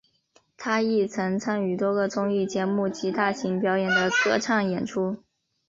他亦曾参与多个综艺节目及大型表演的歌唱演出。